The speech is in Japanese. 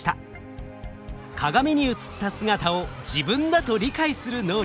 鏡に映った姿を自分だと理解する能力鏡像自己認知。